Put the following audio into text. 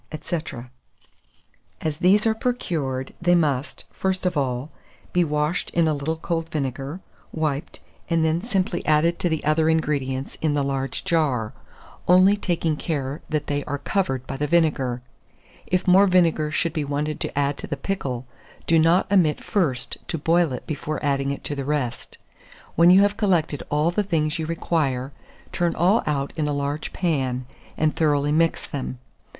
&c. As these are procured, they must, first of all, be washed in a little cold vinegar, wiped, and then simply added to the other ingredients in the large jar, only taking care that they are covered by the vinegar. If more vinegar should be wanted to add to the pickle, do not omit first to boil it before adding it to the rest. When you have collected all the things you require, turn all out in a large pan, and thoroughly mix them.